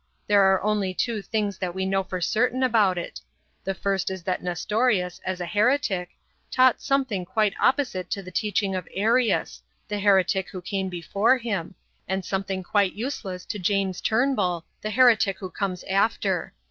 There are only two things that we know for certain about it. The first is that Nestorius, as a heretic, taught something quite opposite to the teaching of Arius, the heretic who came before him, and something quite useless to James Turnbull, the heretic who comes after.